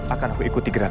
akan aku ikuti gerakan